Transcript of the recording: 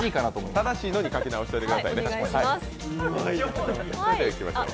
正しいのに書き直しておいてくださいね。